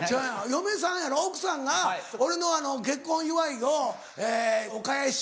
嫁さんやろ奥さんが俺の結婚祝いをお返しを。